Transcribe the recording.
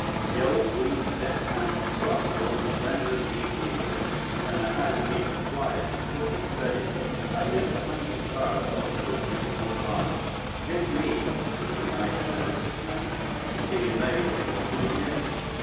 The old woman's deft hands grasped a long, slender lei needle, and her hands seemed to fly as she swiftly threaded at least a hundred flowers into a beautiful garland. "This lei," Mr. Mahenili explained, "is being made of the plumeria.